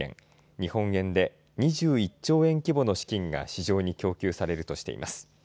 日本円で２１兆円規模の資金が市場に供給されるとしています。